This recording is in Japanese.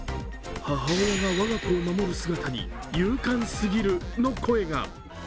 母親が我が子を守る姿に勇敢すぎるとの声が。